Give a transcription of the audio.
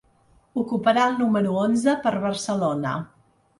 Ocuparà el número onze per Barcelona.